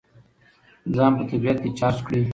ځان په طبیعت کې چارج کړئ.